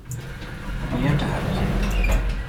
Begjin te harkjen.